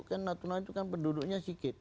kan natuna itu kan penduduknya sikit